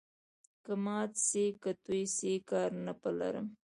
که مات سي که توی سي، کار نه په لرم.